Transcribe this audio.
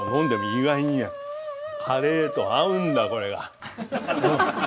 意外にカレーと合うんだこれが。